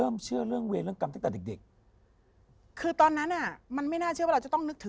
มันเห็นเป็ดพวกนั้นน่ะค่ะ